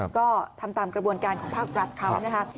ก็ทำตามกระบวนการของภาครัฐเขานะคะ